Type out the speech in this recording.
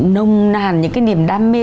nông nàn những cái niềm đam mê